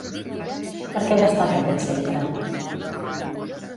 Per què destaca aquest centre?